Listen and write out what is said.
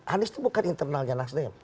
anies itu bukan internalnya nasdem